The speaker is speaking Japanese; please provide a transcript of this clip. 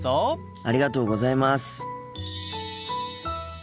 ありがとうございます。